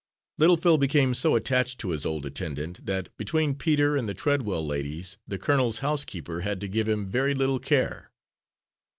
Little Phil became so attached to his old attendant that, between Peter and the Treadwell ladies, the colonel's housekeeper had to give him very little care.